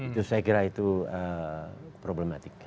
itu saya kira itu problematik